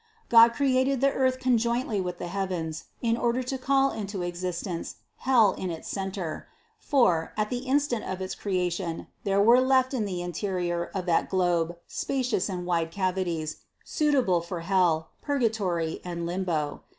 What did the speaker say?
God created the earth conjointly with the heavens, in order to call into exist THE CONCEPTION 85 ence hell in its centre; for, at the instant of its creation, there were left in the interior of that globe spacious and wide cavities, suitable for hell, purgatory and limbo.